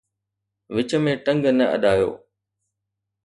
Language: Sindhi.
وچ ۾ ٽنگ نه اڏايو